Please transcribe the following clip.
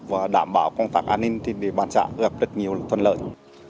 và đảm bảo công tác an ninh trên địa bàn xã gặp rất nhiều thuận lợi